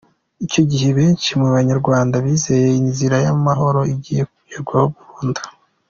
Icyo gihe benshi mu banyarwanda bizeye ko inzira y’amahoro igiye kugerwaho burundu.